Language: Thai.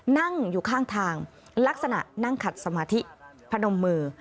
นั่งอยู่ข้างทางลักษณะนั่งขัดสมาธิพนมมือ